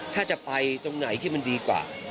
ถ้าจะไปตรงไหนที่มันดีกว่า